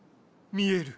見える。